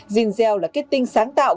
giselle là kết tinh sáng tạo